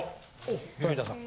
富田さん。